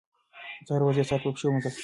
زه هره ورځ یو ساعت په پښو مزل کوم.